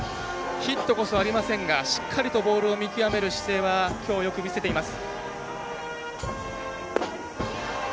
ヒットこそありませんがしっかりとボールを見極める姿勢はきょう、よく見せています。